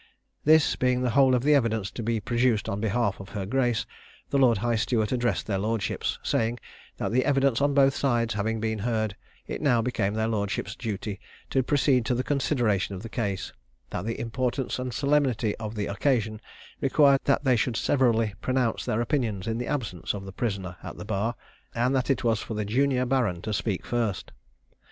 This being the whole of the evidence to be produced on behalf of her grace, the lord high steward addressed their lordships, saying, that the evidence on both sides having been heard, it now became their lordships' duty to proceed to the consideration of the case; that the importance and solemnity of the occasion required that they should severally pronounce their opinions in the absence of the prisoner at the bar, and that it was for the junior baron to speak first.